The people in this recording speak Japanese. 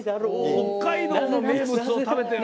北海道の名物を食べてる。